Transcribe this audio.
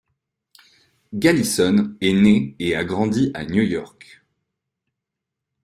Galison est né et a grandi à New York.